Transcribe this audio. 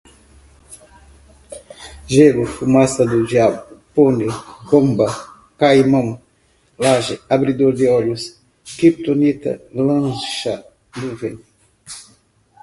gelo, fumaça do diabo, pônei, bomba, caimão, laje, abridor de olhos, kryptonita, lancha, nuvem